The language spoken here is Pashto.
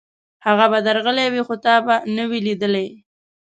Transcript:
هغه به درغلی وي، خو تا به نه وي لېدلی.